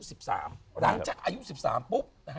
หลังจากอายุ๑๓ปุ๊บ